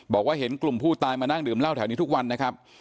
บอกว่าเห็นกลุ่มผู้ตายมานั่งดื่มเหล้าแถวนี้ทุกวันนะครับ